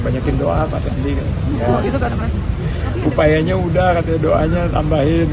banyakin doa pasangnya upayanya udah ada doanya tambahin